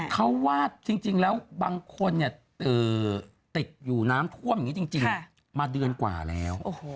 เขาว่าจริงแล้วบางคนติดอยู่น้ำท่วมอย่างนี้จริงมาเดือนกว่าแล้ว